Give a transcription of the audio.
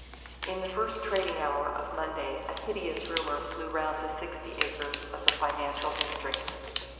In the first trading hour of Monday a hideous rumor flew round the sixty acres of the financial district.